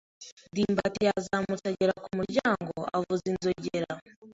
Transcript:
ndimbati yazamutse agera ku muryango avuza inzogera.